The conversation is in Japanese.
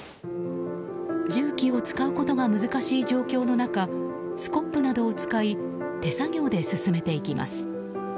重機を使うことが難しい状況の中スコップなどを使い手作業で進めていきます。